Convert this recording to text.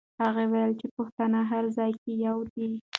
هغې وویل چې پښتانه هر ځای کې یو دي.